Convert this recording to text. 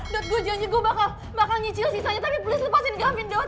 dot gua janji gua bakal bakal nyicil sisanya tapi please lepasin gambit dot